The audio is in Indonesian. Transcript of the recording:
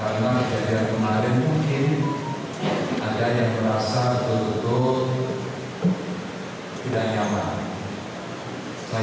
karena kejadian kemarin mungkin ada yang merasa betul betul tidak nyaman